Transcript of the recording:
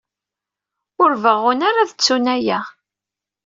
Ur beɣɣun ara ad ttun aya.